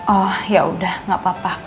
oh ya udah gak apa apa